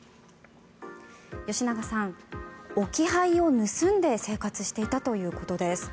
吉永さん、置き配を盗んで生活していたということです。